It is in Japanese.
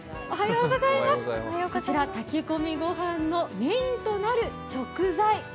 こちら炊き込みご飯のメインとなる食材